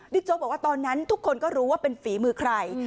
โจ๊กบอกว่าตอนนั้นทุกคนก็รู้ว่าเป็นฝีมือใคร